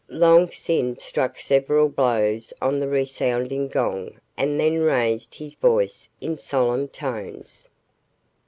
Long Sin struck several blows on the resounding gong and then raised his voice in solemn tones.